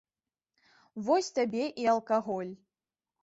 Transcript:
Вось табе і алкаголь.